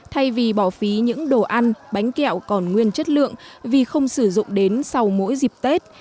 thay vì bỏ phí những đồ ăn bánh kẹo còn nguyên chất lượng vì không sử dụng đến sau mỗi dịp tết